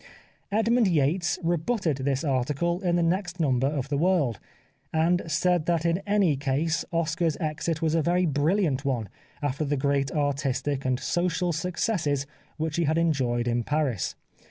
Edmund Yates re butted this article in the next number of The World, and said that in any case Oscar's exit was a very brilliant one after the great artistic and social successes which he had enjoyed in Paris.